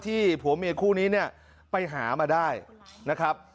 ที่ผัวเมียคู่นี้ไปหามาได้นะครับ